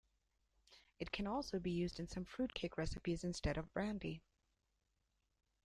It can also be used in some fruitcake recipes instead of brandy.